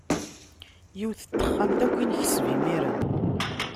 Yiwet n texxamt akk i nekseb imiren.